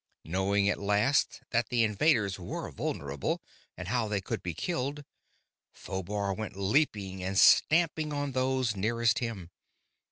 Knowing at last that the invaders were vulnerable and how they could be killed, Phobar went leaping and stamping on those nearest him.